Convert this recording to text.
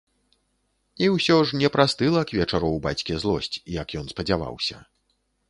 І ўсё ж не прастыла к вечару ў бацькі злосць, як ён спадзяваўся.